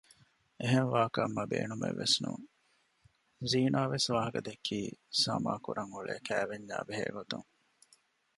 އެހެން ވާކަށް މަ ބޭނުމެއްވެސް ނޫން ޒީނާ ވެސް ވާހަކަ ދެއްކީ ސަމާ ކުރަން އުޅޭ ކައިވެންޏާއި ބެހޭގޮތުން